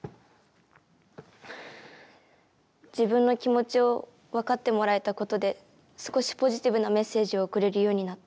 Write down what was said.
自分の気持ちを分かってもらえたことで少しポジティブなメッセージを送れるようになった。